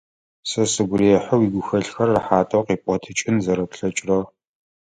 Сэ сыгу рехьы уигухэлъхэр рэхьатэу къипӏотыкӏын зэрэплъэкӏырэр.